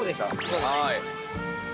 そうです。